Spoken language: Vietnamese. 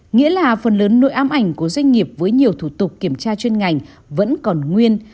nghĩa là phần lớn nội ám ảnh của doanh nghiệp với nhiều thủ tục kiểm tra chuyên ngành vẫn còn nguyên